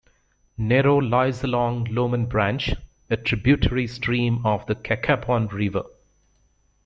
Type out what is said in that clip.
Nero lies along Loman Branch, a tributary stream of the Cacapon River.